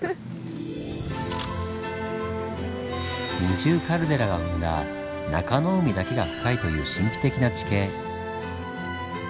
二重カルデラが生んだ中湖だけが深いという神秘的な地形。